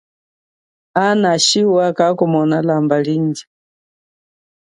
Ana ashiwa kakumona lamba lindji.